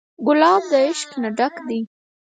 ګلاب د عشق نه ډک دی.